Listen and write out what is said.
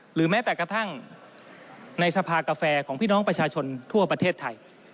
หรือแม้แต่กระทั่งในสภากาแฟของพี่น้องประชาชนทั่วประเทศไทย